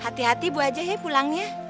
hati hati ibu aja ya pulangnya